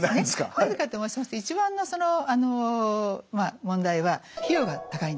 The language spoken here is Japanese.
なぜかと申しますと一番のその問題は費用が高いんですね。